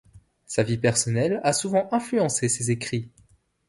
Sa vie personnelle a souvent influencé ses écrits.